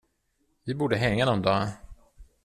Vi borde hänga någon dag.